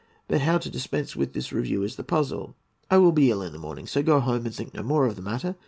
'But how to dispense with the review is the puzzle. I will be ill in the morning; so go home and think no more of the matter.